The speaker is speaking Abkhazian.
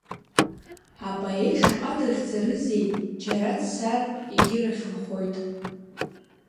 Апоет шаҟа дрыхьӡарызеи, џьара дцар, егьирахь нхоит.